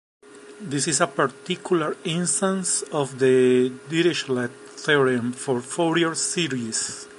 This is a particular instance of the Dirichlet theorem for Fourier series.